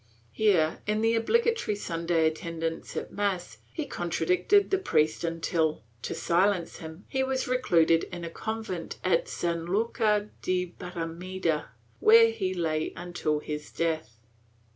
Here, in the obligatory Sunday attendance at mass, he contradicted the priest until, to silence him, he was recluded in a convent at San Lucar de Barrameda, where he lay until his death